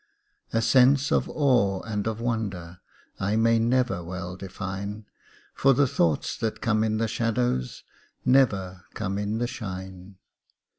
A sense of awe and of wonder I may never well define, For the thoughts that come in the shadows Never come in the shine.